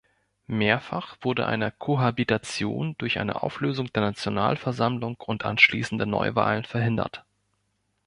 Mehrfach wurde eine Cohabitation durch die Auflösung der Nationalversammlung und anschließende Neuwahlen verhindert.